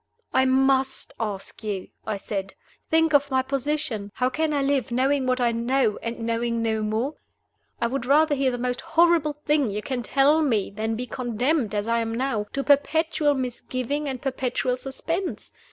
"I must ask you," I said. "Think of my position. How can I live, knowing what I know and knowing no more? I would rather hear the most horrible thing you can tell me than be condemned (as I am now) to perpetual misgiving and perpetual suspense.